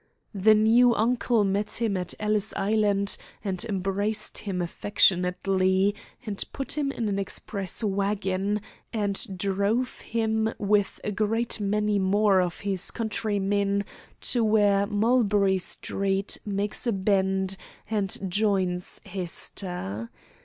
The new uncle met him at Ellis Island, and embraced him affectionately, and put him in an express wagon, and drove him with a great many more of his countrymen to where Mulberry Street makes a bend and joins Hester.